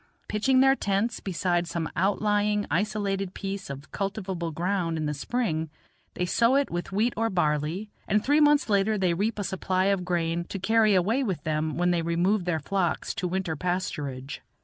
Pitching their tents beside some outlying, isolated piece of cultivable ground in the spring, they sow it with wheat or barley, and three months later they reap a supply of grain to carry away with them when they remove their flocks to winter pasturage.